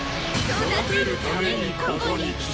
育てるためにここに来た。